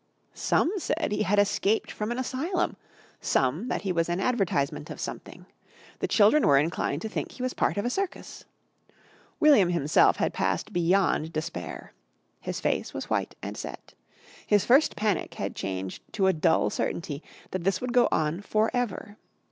Some said he had escaped from an asylum, some that he was an advertisement of something. The children were inclined to think he was part of a circus. William himself had passed beyond despair. His face was white and set. His first panic had changed to a dull certainty that this would go on for ever.